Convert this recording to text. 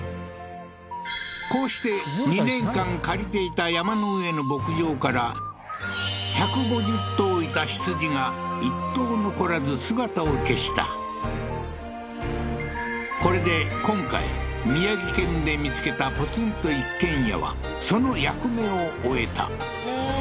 こうして２年間借りていた山の上の牧場から１５０頭いた羊が１頭残らず姿を消したこれで今回宮城県で見つけたポツンと一軒家はその役目を終えたえ